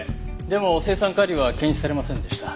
でも青酸カリは検出されませんでした。